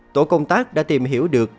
tổ công tác đã tìm hiểu được